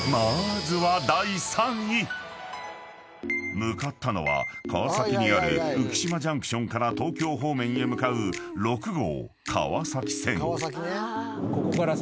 ［向かったのは川崎にある浮島ジャンクションから東京方面へ向かう６号川崎線］